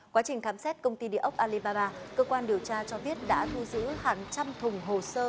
quá trình khám xét công ty địa ốc alibaba cơ quan điều tra cho biết đã thu giữ hàng trăm thùng hồ sơ